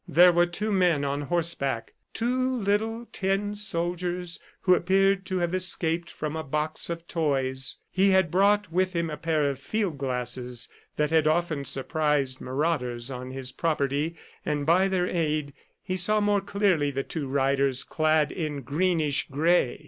There were two men on horseback, two little tin soldiers who appeared to have escaped from a box of toys. He had brought with him a pair of field glasses that had often surprised marauders on his property, and by their aid he saw more clearly the two riders clad in greenish gray!